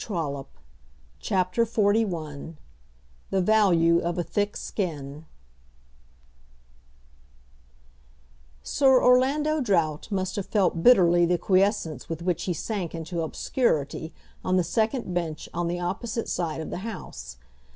VOLUME II CHAPTER XLI The Value of a Thick Skin Sir Orlando Drought must have felt bitterly the quiescence with which he sank into obscurity on the second bench on the opposite side of the House.